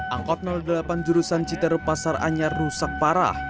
angkot delapan jurusan citerup pasar anyar rusak parah